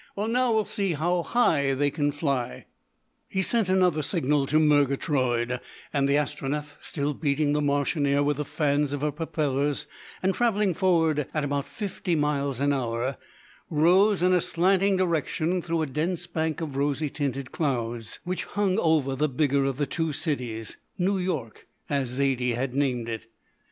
Well, now we'll see how high they can fly." He sent another signal to Murgatroyd, and the Astronef, still beating the Martian air with the fans of her propellers, and travelling forward at about fifty miles an hour, rose in a slanting direction through a dense bank of rosy tinted clouds, which hung over the bigger of the two cities New York, as Zaidie had named it.